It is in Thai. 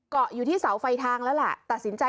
เกาะอยู่ที่เสาไฟทางแล้วแหละ